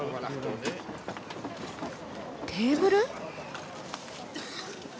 テーブル？